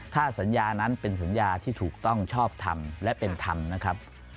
ถ้าสัญญานั้นเป็นสัญญาที่ถูกต้องชอบทำและเป็นธรรมนะครับ